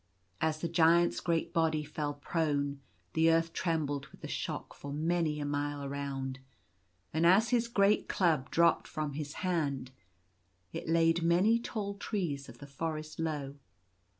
As the Giants great body fell prone, the earth trem bled with the shock for many a mile around; and as his great club dropped from his hand, it laid many tall trees of the forest low.